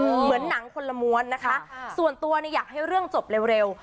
เหมือนหนังคนละม้วนนะคะส่วนตัวเนี่ยอยากให้เรื่องจบเร็วเร็ว